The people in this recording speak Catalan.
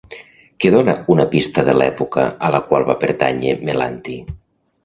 Què dona una pista de l'època a la qual va pertànyer Melanti?